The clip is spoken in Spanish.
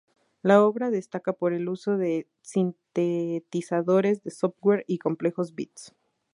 La obra destaca por el uso de sintetizadores de software y complejos beats.